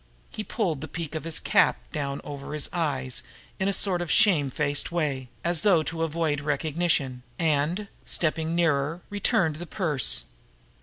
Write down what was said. He pulled the peak of his cap down over his eyes in a sort of shame faced way, as though to avoid recognition, and, stepping nearer, returned the purse.